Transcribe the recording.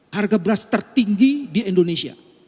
harga beras tertinggi di indonesia